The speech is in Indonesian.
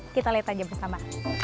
kita lihat aja bersama